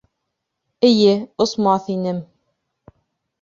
Эйе, осмаҫ инем.